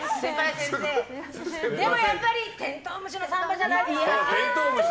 でもやっぱり「てんとう虫のサンバ」じゃないですか。